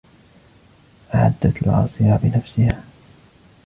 أعدت العصير بنفسها.